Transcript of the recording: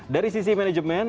dari sisi manajemen